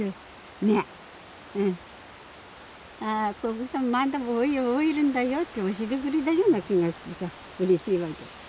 ああここさまだ生えるんだよって教えてくれたような気がしてさうれしいわけ。